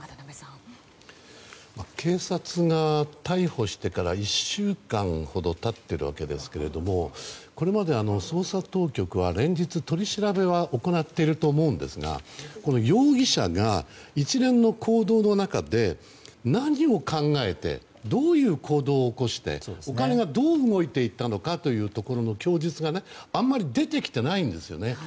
警察が逮捕してから１週間ほど経っているわけですがこれまで捜査当局は連日、取り調べは行っていると思うんですが容疑者が一連の行動の中で何を考えてどういう行動を起こしてお金がどう動いていったのかの供述が、あんまり出てきていないんですよね。